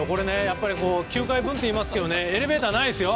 ９階分といいますがエレベーターないですよ。